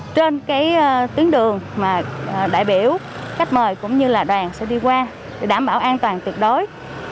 trên tuyến đường mà đại biểu khách mời cũng như là đoàn sẽ đi qua để đảm bảo an toàn tuyệt đối